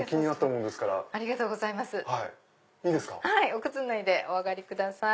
お靴脱いでお上がりください。